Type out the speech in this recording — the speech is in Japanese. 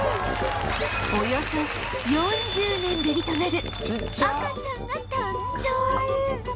およそ４０年ぶりとなる赤ちゃんが誕生！